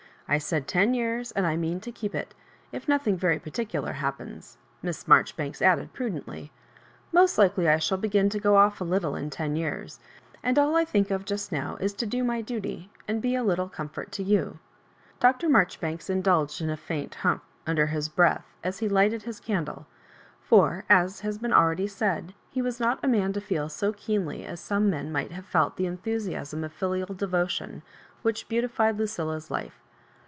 I said ten years, and I mean to keep it, — ^if nothing very particular happens." Miss Marjoribanks added prudently, " Most like ly I shall begm to go off a little in ten years. Digitized by VjOOQIC HISS UABJOBIBAJSnsa. 13 And all I think of just now 18 to do my duty, and be a little comfort to you." Dr. Marjoribanks indulged in a faint ^ humph," under his breath, as he lighted his candle ; for, as has been already said, he was not a man to feel BO keenly as some men might have felt the enthu siasm of filial devotion which beautified Lucilla's life.